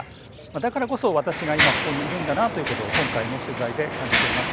だからこそ私が今ここにいるんだなということを今回の取材で感じています。